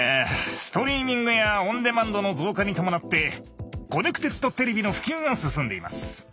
ストリーミングやオンデマンドの増加に伴ってコネクテッドテレビの普及が進んでいます。